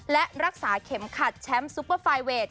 และรักษาเข็มขัดแชมป์ซุปเปอร์ไฟเวท